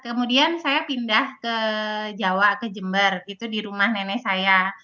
kemudian saya pindah ke jawa ke jember itu di rumah nenek saya